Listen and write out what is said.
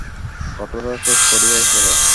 কথাটা শেষ করিয়াই ফেল!